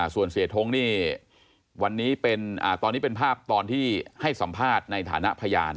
ส่วนเสียท้งนี่วันนี้เป็นภาพตอนที่ให้สัมภาษณ์ในฐานะพยาน